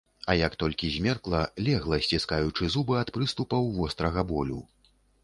А як толькі змеркла, легла, сціскаючы зубы ад прыступаў вострага болю.